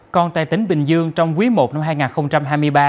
còn tại tỉnh bình dương trong quý i năm hai nghìn hai mươi ba